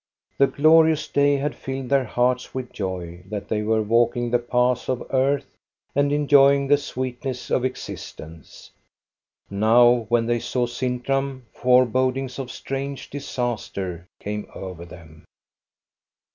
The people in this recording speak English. The glorious day had filled their hearts with joy that they were walking the paths of earth and enjoying the sweet ness of existence. Now, when they saw Sintram, forebodings of strange disaster came over them.